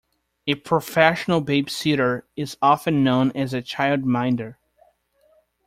A professional babysitter is often known as a childminder